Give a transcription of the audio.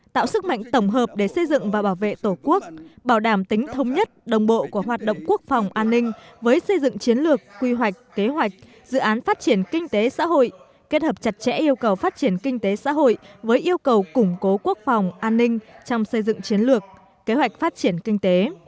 tạo sức mạnh tổng hợp để xây dựng và bảo vệ tổ quốc bảo đảm tính thống nhất đồng bộ của hoạt động quốc phòng an ninh với xây dựng chiến lược quy hoạch kế hoạch dự án phát triển kinh tế xã hội kết hợp chặt chẽ yêu cầu phát triển kinh tế xã hội với yêu cầu củng cố quốc phòng an ninh trong xây dựng chiến lược kế hoạch phát triển kinh tế